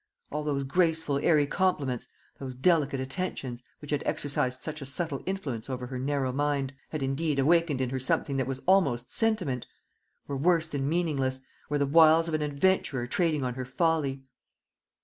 All those graceful airy compliments, those delicate attentions, which had exercised such a subtle influence over her narrow mind had, indeed, awakened in her something that was almost sentiment were worse than meaningless, were the wiles of an adventurer trading on her folly.